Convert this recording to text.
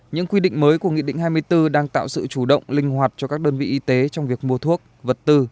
những quy định mới của nghị định hai mươi bốn đang tạo sự chủ động linh hoạt cho các đơn vị y tế trong việc mua thuốc vật tư